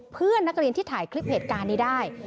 เพื่อนนักเรียนที่ถ่ายคลิปเหตุการณ์นี้ได้